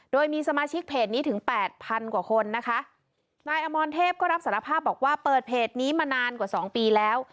โดยมีสมาชิกเพจนี้ถึงแปดพันกว่าคนนะคะนายอมรเทพก็รับสารภาพบอกว่าเปิดเพจนี้มานานกว่าสองปีแล้ว